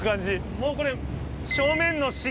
もうこれ。